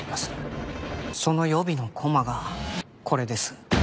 その予備の駒がこれです。